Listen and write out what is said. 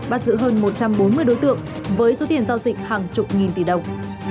bắt giữ hơn một trăm bốn mươi đối tượng với số tiền giao dịch hàng chục nghìn tỷ đồng